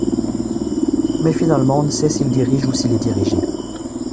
Mais finalement on ne sait s'il dirige ou s'il est dirigé.